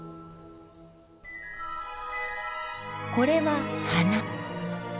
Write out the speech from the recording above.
これは花。